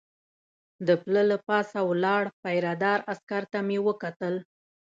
د پله له پاسه ولاړ پیره دار عسکر ته مې وکتل.